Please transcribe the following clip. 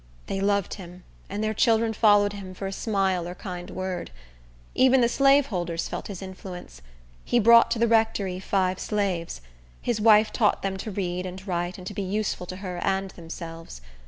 They loved him, and their children followed him for a smile or a kind word. Even the slaveholders felt his influence. He brought to the rectory five slaves. His wife taught them to read and write, and to be useful to her and themselves.